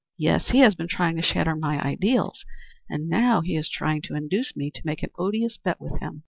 "Yes, he has been trying to shatter my ideals, and now he is trying to induce me to make an odious bet with him."